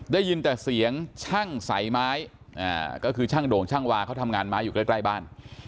ได้ยินแต่เสียงช่างใสไม้ก็คือช่างโด่งช่างวาเขาทำงานไม้อยู่ใกล้บ้าน